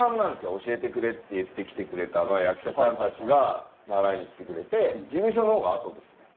「教えてくれ」って言って来てくれたのは役者さんたちが習いに来てくれて事務所のほうが後ですね。